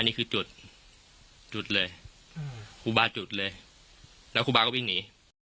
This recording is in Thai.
นี่คือจุดจุดเลยครูบาจุดเลยแล้วครูบาก็วิ่งหนี